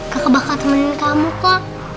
kakak bakal temenin kamu kak